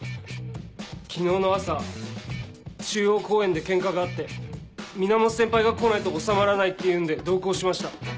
昨日の朝中央公園でケンカがあって源先輩が来ないと収まらないっていうんで同行しました。